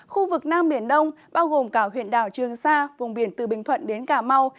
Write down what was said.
khu vực nam biển đông bao gồm cả huyện đảo trường sa vùng biển từ bình thuận đến cà mau